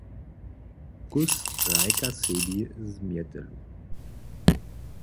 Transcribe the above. Kós hrajka sebi z mjetelu.